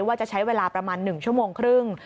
ว่าจะใช้เวลาประมาณ๑ชั่วโมงครึ่ง